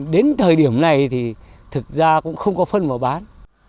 đến thời điểm này thì thực ra cũng không có phân vào bán